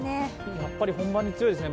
やっぱり本番に強いですね。